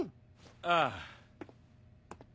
ああ。